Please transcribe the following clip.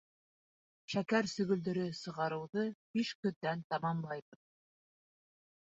Шәкәр сөгөлдөрө сығарыуҙы биш көндән тамамлайбыҙ.